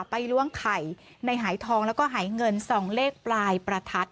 ล้วงไข่ในหายทองแล้วก็หายเงินส่องเลขปลายประทัด